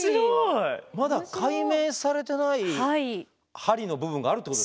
まだ解明されてない針の部分があるってことですか。